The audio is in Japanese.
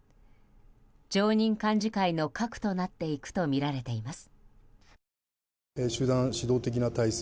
常任幹事会の核となっていくとみられています。